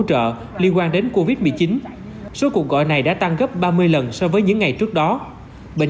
trợ liên quan đến covid một mươi chín số cuộc gọi này đã tăng gấp ba mươi lần so với những ngày trước đó bệnh